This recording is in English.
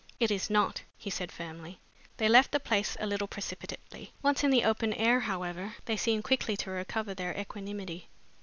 "It is not," he said firmly. They left the place a little precipitately. Once in the open air, however, they seemed quickly to recover their equanimity.